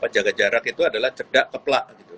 jaga jarak itu adalah cerdak keplak gitu